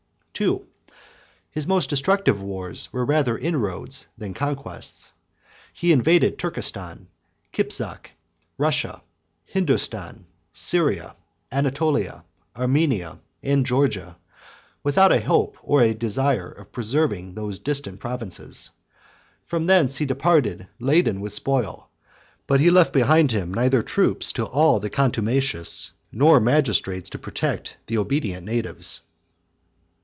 69 2. His most destructive wars were rather inroads than conquests. He invaded Turkestan, Kipzak, Russia, Hindostan, Syria, Anatolia, Armenia, and Georgia, without a hope or a desire of preserving those distant provinces. From thence he departed laden with spoil; but he left behind him neither troops to awe the contumacious, nor magistrates to protect the obedient, natives.